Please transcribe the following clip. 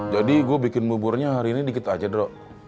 jadi gua bikin buburnya hari ini dikit aja drok